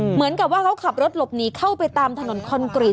เหมือนกับว่าเขาขับรถหลบหนีเข้าไปตามถนนคอนกรีต